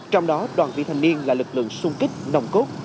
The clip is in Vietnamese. trong đó đoàn viên thanh niên là lực lượng sung kích nồng cốt